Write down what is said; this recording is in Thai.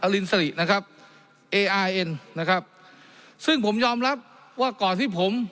ลินสรินะครับเออาร์เอ็นนะครับซึ่งผมยอมรับว่าก่อนที่ผม